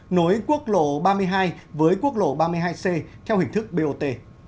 nối quốc lộ ba mươi hai với quốc lộ ba mươi hai c theo hình thức bot